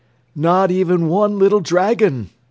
"Not even one little dragon!"